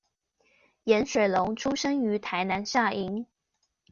顏水龍出生於台南下營